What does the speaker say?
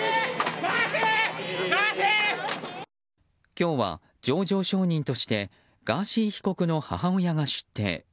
今日は情状証人としてガーシー被告の母親が出廷。